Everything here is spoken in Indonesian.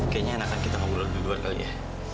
kayaknya anak kita mau keluar dulu kali ya